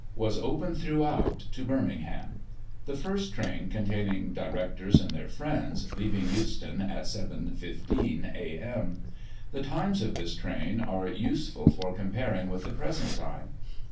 was opened throughout to Birmingham ; the first train, containing Direc tors cind their friends, leaving Euston at 7.15 a m The times of this train are useful for comparing with the present time.